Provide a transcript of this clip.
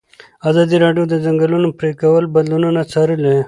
ازادي راډیو د د ځنګلونو پرېکول بدلونونه څارلي.